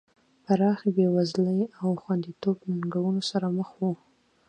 پراخې بېوزلۍ او خوندیتوب ننګونو سره مخ وو.